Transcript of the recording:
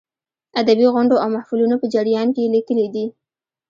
ادبي غونډو او محفلونو په جریان کې یې لیکلې دي.